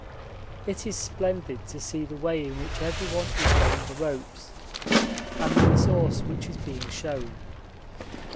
It is splendid to see the way in which everyone is learning the ropes, and the resource which is being shown.